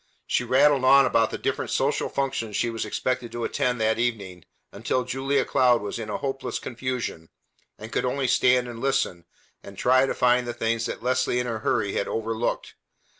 She rattled on about the different social functions she was expected to attend that evening until Julia Cloud was in hopeless confusion, and could only stand and listen, and try to find the things that Leslie in her hurry had overlooked.